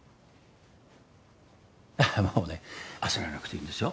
あっもうね焦らなくていいんですよ。